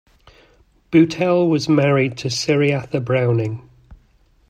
Buetel was married to Cereatha Browning.